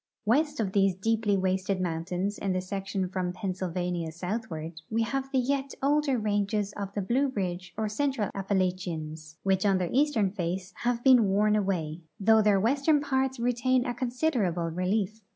West of these deeply wasted mountains in the section from Penn sylvania southward we have the yet older ranges of the Blue Ridge or Central Appalachians, which on their eastern face have been worn away, though their western parts retain a consider able relief.